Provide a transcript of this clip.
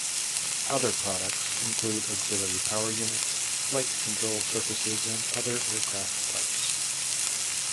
Other products include auxiliary power units, flight control surfaces, and other aircraft parts.